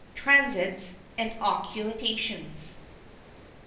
TRANSITS AND OCCULTATIONS.